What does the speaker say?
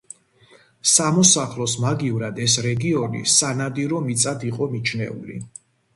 სამოსახლოს მაგივრად ეს რეგიონი სანადირო მიწად იყო მიჩნეული.